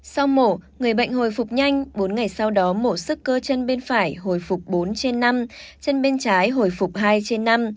sau mổ người bệnh hồi phục nhanh bốn ngày sau đó mổ sức cơ chân bên phải hồi phục bốn trên năm chân bên trái hồi phục hai trên năm